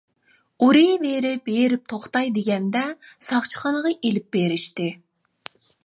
ئۇرۇۋېرىپ ھېرىپ توختاي دېگەندە، ساقچىخانىغا ئېلىپ بېرىشتى.